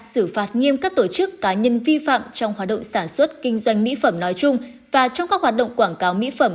xử phạt nghiêm các tổ chức cá nhân vi phạm trong hoạt động sản xuất kinh doanh mỹ phẩm nói chung và trong các hoạt động quảng cáo mỹ phẩm